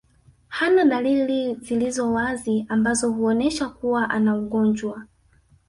Hana dalili zilizo wazi ambazo huonesha kuwa ana ugonjwa